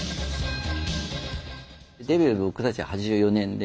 デビュー僕たちは８４年で。